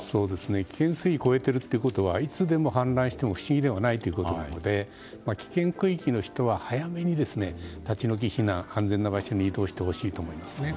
危険水位を超えているということはいつ氾濫しても不思議ではないということなので危険区域の人は早めに立ち退き避難、安全な場所に移動してほしいと思います。